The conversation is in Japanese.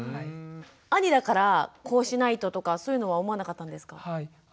兄だからこうしないととかそういうのは思わなかったんですか？